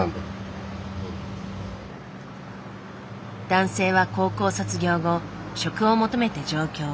男性は高校卒業後職を求めて上京。